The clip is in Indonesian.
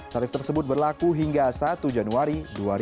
tarif tersebut berlaku hingga satu januari dua ribu dua puluh